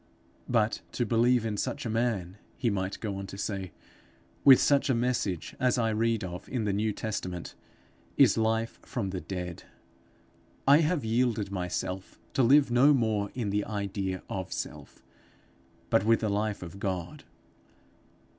'But to believe in such a man,' he might go on to say, 'with such a message, as I read of in the New Testament, is life from the dead. I have yielded myself, to live no more in the idea of self, but with the life of God.